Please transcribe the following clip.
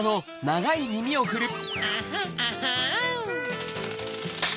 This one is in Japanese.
アハアハン！